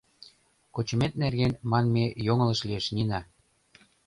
— «Кучымет нерген» манме йоҥылыш лиеш, Нина.